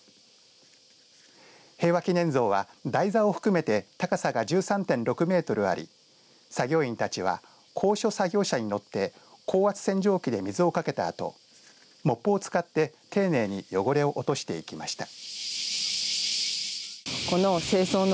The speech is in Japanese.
平和祈念像は台座を含めて高さが１３．６メートルあり作業員たちは高所作業車に乗って高圧洗浄機で水をかけたあとモップを使って丁寧に汚れを落としていました。